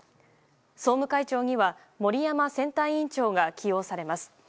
総務会長には、森山選対委員長が起用されます。